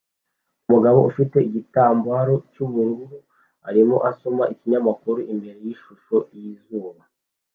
Umugore ufite igitambaro cyubururu arimo asoma ikinyamakuru imbere yishusho yizuba